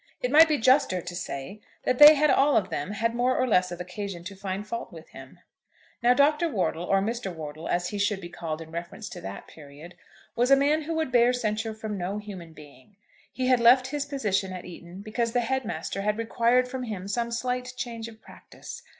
It might be juster to say that they had all of them had more or less of occasion to find fault with him. Now Dr. Wortle, or Mr. Wortle, as he should be called in reference to that period, was a man who would bear censure from no human being. He had left his position at Eton because the Head master had required from him some slight change of practice.